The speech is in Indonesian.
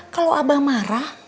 kalau abah marah